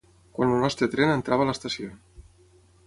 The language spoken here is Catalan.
Quan el nostre tren entrava a l'estació